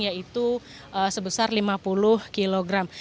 yaitu sebesar lima puluh kilogram